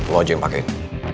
lo aja yang pakein